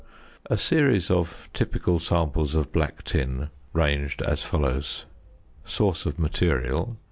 A series of typical samples of black tin ranged as follows: ++ Source of Material.